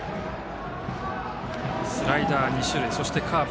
スライダー２種類、カーブ。